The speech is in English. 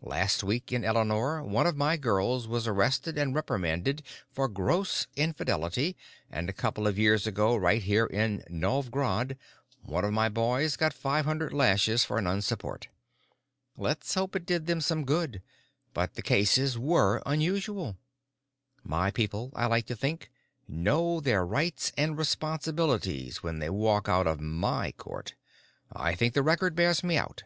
Last week in Eleanor one of my girls was arrested and reprimanded for gross infidelity and a couple of years ago right here in Novj Grad one of my boys got five hundred lashes for nonsupport. Let's hope it did them some good, but the cases were unusual. My people, I like to think, know their rights and responsibilities when they walk out of my court, and I think the record bears me out.